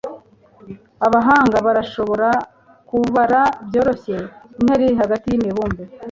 abahanga barashobora kubara byoroshye intera iri hagati yimibumbe